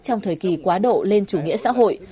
trong thời kỳ quá độ lên chủ nghĩa xã hội